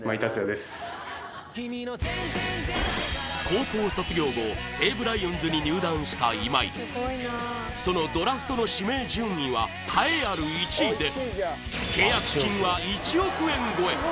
高校卒業後西武ライオンズに入団した今井そのドラフトの指名順位は栄えある１位で契約金は１億円超え